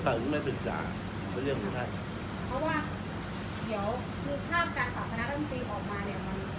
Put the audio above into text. แต่ว่าแต่ว่าเราจะมีส่วนร่วมในการเขย่ากลุ่นสมบัติ